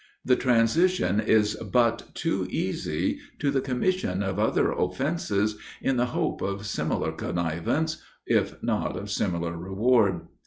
The transition is but too easy to the commission of other offences in the hope of similar connivance, if not of similar reward.